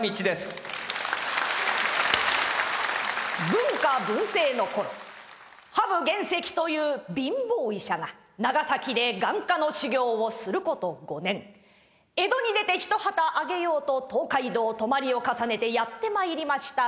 文化文政の頃土生玄碩という貧乏医者が長崎で眼科の修業をすること５年江戸に出て一旗揚げようと東海道泊まりを重ねてやって参りました